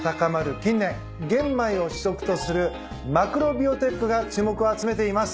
近年玄米を主食とするマクロビオティックが注目を集めています。